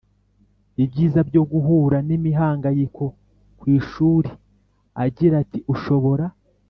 ibyiza byo guhura n imihanganyiko ku ishuri agira ati ushobora